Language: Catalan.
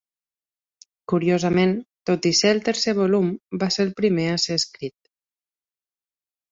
Curiosament, tot i ser el tercer volum va ser el primer a ser escrit.